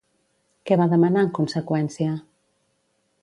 Què va demanar en conseqüència?